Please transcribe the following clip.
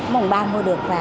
mùng ba mua được và